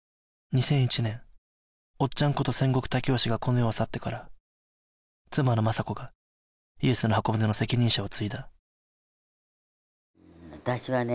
２００１年おっちゃんこと千石剛賢がこの世を去ってから妻のまさ子がイエスの方舟の責任者を継いだ私はね